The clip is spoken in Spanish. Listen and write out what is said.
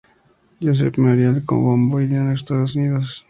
Joseph Memorial de Kokomo, Indiana, Estados Unidos.